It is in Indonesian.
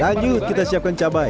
lanjut kita siapkan cabai